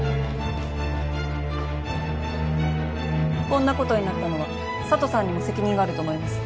こんなことになったのは佐都さんにも責任があると思います。